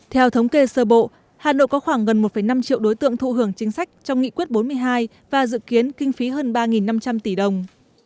theo thống kê sơ bộ hà nội có khoảng gần một năm triệu đối tượng thụ hưởng chính sách trong nghị quyết bốn mươi hai và dự kiến kinh phí hơn ba năm trăm linh tỷ đồng